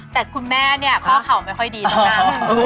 แต่คุณแม่ข้อข่าวไม่ค่อยดีต้องนั่ง